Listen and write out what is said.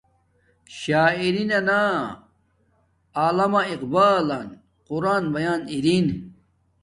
شاعری نا علامہ اقبالن قران پیان ارین